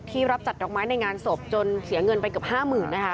พี่รับจัดดอกไม้ในงานศพจนเสียเงินไปกับ๕๐๐๐๐บาท